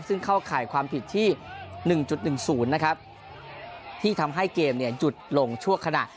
ซึ่งเข้าข่ายความผิดที่หนึ่งจุดหนึ่งศูนย์นะครับที่ทำให้เกมเนี้ยจุดลงชั่วขณะ